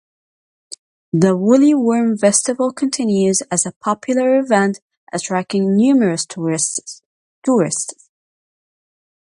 The Woolly Worm Festival continues as a popular event attracting numerous tourists.